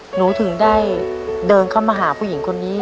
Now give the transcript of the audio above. หนูถึงได้เดินเข้ามาหาผู้หญิงคนนี้